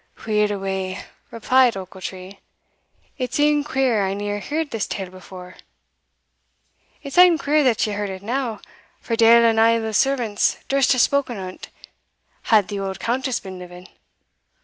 "Weel away!" replied Ochiltree: "it's e'en queer I neer heard this tale afore." "It's e'en queer that ye heard it now, for deil ane o' the servants durst hae spoken o't had the auld Countess been living.